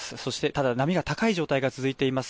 ただ波が高い状態が続いています。